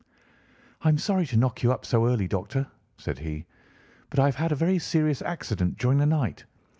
"I am sorry to knock you up so early, Doctor," said he, "but I have had a very serious accident during the night.